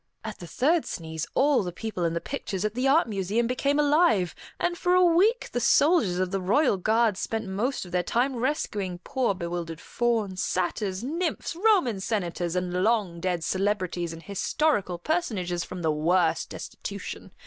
At the third sneeze, all the people in the pictures at the Art Museum became alive, and for a week the soldiers of the royal guard spent most of their time rescuing poor, bewildered fauns, satyrs, nymphs, Roman senators, and long dead celebrities and historical personages from the worst destitution.